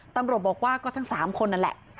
ตำรวจบอกว่าก็ทั้ง๓คนนั่นแหละ